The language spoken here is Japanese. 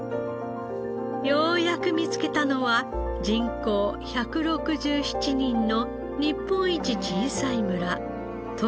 ようやく見つけたのは人口１６７人の日本一小さい村東京都青ヶ島のもの。